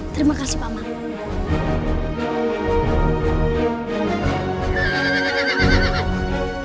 terima kasih baman